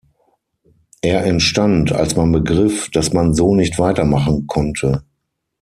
Er entstand, als man begriff, dass man so nicht weiter mache konnte.